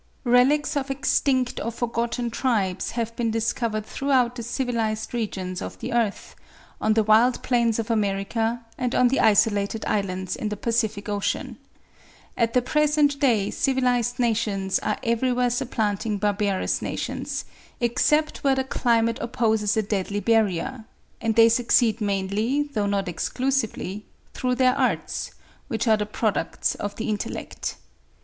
Relics of extinct or forgotten tribes have been discovered throughout the civilised regions of the earth, on the wild plains of America, and on the isolated islands in the Pacific Ocean. At the present day civilised nations are everywhere supplanting barbarous nations, excepting where the climate opposes a deadly barrier; and they succeed mainly, though not exclusively, through their arts, which are the products of the intellect.